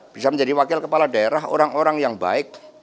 bisa menjadi wakil kepala daerah orang orang yang baik